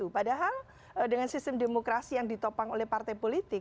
padahal dengan sistem demokrasi yang ditopang oleh partai politik